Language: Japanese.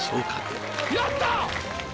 やった！